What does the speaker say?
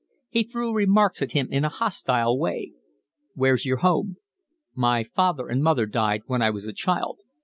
He threw remarks at him in a hostile way. "Where's your home?" "My father and mother died when I was a child."